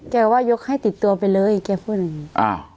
แกบอกว่ายกให้ติดตัวไปเลยแกพูดอย่างนี้